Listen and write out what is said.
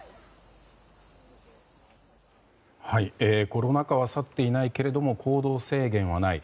コロナ禍は去っていないけれども行動制限はない。